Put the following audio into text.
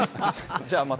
じゃあまた。